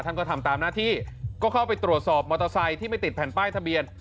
ก็ทำตามหน้าที่ก็เข้าไปตรวจสอบมอเตอร์ไซค์ที่ไม่ติดแผ่นป้ายทะเบียน